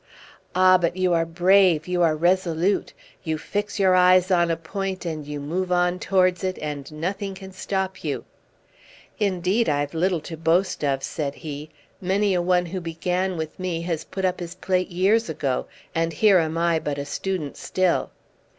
"Ah! but you are brave. You are resolute. You fix your eyes on a point and you move on towards it, and nothing can stop you." "Indeed, I've little to boast of," said he. "Many a one who began with me has put up his plate years ago, and here am I but a student still."